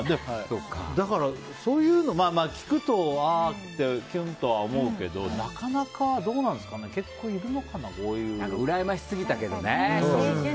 だから、そういうの聞くとああってキュンとは思うけどなかなか、どうなんですかねうらやましすぎたけどね。